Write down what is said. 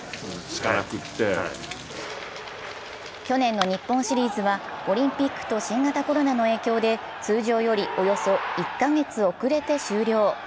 去年の日本シリーズはオリンピックと新型コロナの影響で通常よりおよそ１カ月遅れて終了。